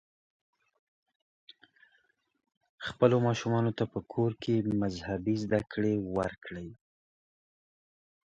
خپلو ماشومانو ته په کور کې مذهبي زده کړې ورکړئ.